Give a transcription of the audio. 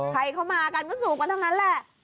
ใครเข้ามากันก็สูบกันทั้งนั้นแหละ